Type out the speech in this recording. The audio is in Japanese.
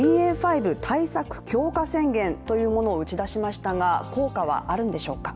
５対策強化宣言を打ち出しましたが、効果はあるのでしょうか。